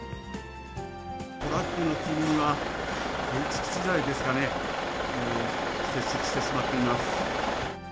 トラックの積み荷には、建築資材ですかね、接触してしまっています。